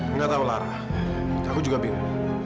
nggak tahu lara tahu aku juga bingung